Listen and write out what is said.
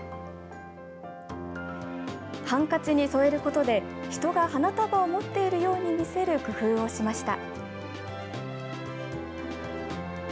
ハンカチに添えることで人が花束を持っているように見せる工夫をしました。